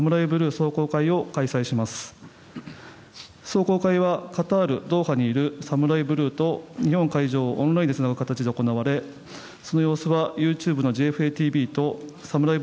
壮行会はカタール・ドーハにいるサムライブルーと日本会場をオンラインでつなぐ形で行われその様子はＹｏｕＴｕｂｅのＪＦＡＴＶとサムライ